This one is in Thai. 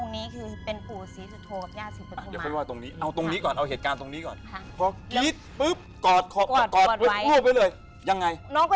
น้องก็ยังกรี๊ดอยู่ค่ะ